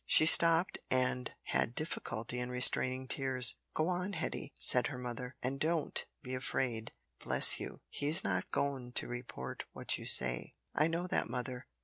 She stopped and had difficulty in restraining tears. "Go on, Hetty," said her mother, "and don't be afraid. Bless you, he's not goin' to report what you say." "I know that, mother.